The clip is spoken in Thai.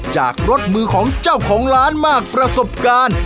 จากรสมือของเจ้าของร้านมากประสบการณ์